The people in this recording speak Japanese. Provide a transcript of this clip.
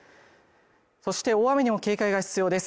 そして大雨にも警戒が必要です